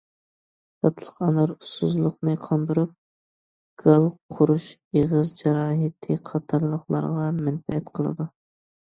تاتلىق ئانار ئۇسسۇزلۇقنى قاندۇرۇپ، گال قۇرۇش، ئېغىز جاراھىتى قاتارلىقلارغا مەنپەئەت قىلىدۇ.